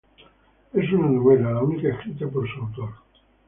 Es una novela, la única escrita por su autor.